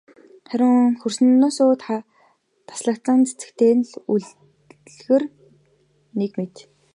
Харин хөрснөөсөө таслагдсан цэцэгтэй л үлгэр нэг мэт.